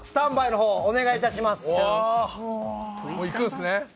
もういくんですね。